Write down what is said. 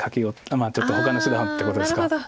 ちょっとほかの手段ってことですか。